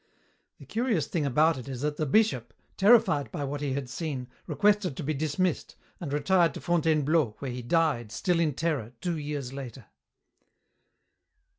"The curious thing about it is that the bishop, terrified by what he had seen, requested to be dismissed, and retired to Fontainebleau, where he died, still in terror, two years later."